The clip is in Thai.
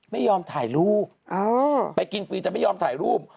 ไม่ยอมถ่ายรูปไปกินฟรีแต่ไม่ยอมถ่ายรูป